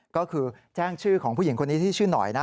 ก็คือแจ้งชื่อของผู้หญิงคนนี้ที่ชื่อหน่อยนะ